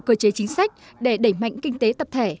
cơ chế chính sách để đẩy mạnh kinh tế tập thể